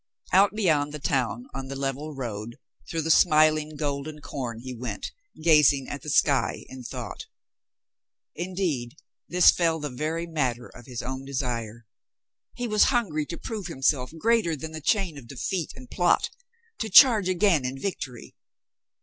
Out beyond the town on the level road, through the smiling, golden corn, he went, gazing at the sky in thought. Indeed, this fell the very matter of his own desire. He was hungry to prove himself greater than the chain of defeat and plot, to charge again in victory.